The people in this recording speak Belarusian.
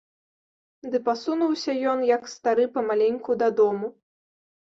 Ды пасунуўся ён, як стары, памаленьку дадому.